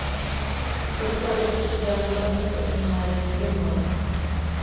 Elkar ikustearen lasaitasuna ere ez genuen.